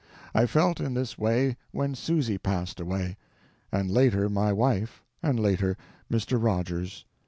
I felt in this way when Susy passed away; and later my wife, and later Mr. Rogers.